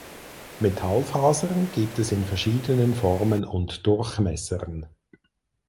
Metallfasern gibt es in verschiedenen Formen und Durchmessern.